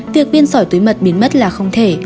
việc biên sỏi túi mật biến mất là không thể